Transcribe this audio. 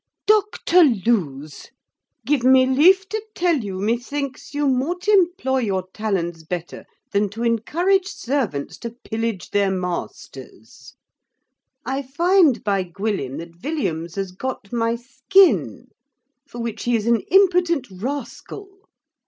DOCTER LEWS, Give me leaf to tell you, methinks you mought employ your talons better, than to encourage servants to pillage their masters. I find by Gwyllim, that Villiams has got my skin; for which he is an impotent rascal.